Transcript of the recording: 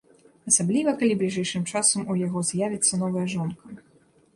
Асабліва, калі бліжэйшым часам у яго з'явіцца новая жонка.